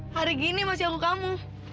hari gini masih aku kamu